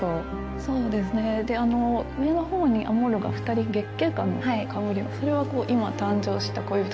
そうですねで上の方にアモルが２人月桂冠の冠をそれは今誕生した恋人たち。